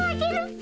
ピ。